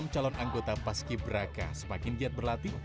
tujuh puluh enam calon anggota pas ki braka semakin jatuh berlatih